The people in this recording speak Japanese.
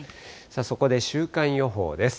そこで週間予報です。